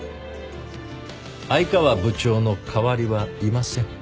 愛川部長の代わりはいません。